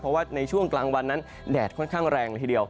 เพราะว่าในช่วงกลางวันนั้นแดดค่อนข้างแรงละทีเดียว